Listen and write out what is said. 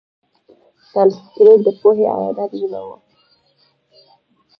سانسکریت د پوهې او ادب ژبه وه.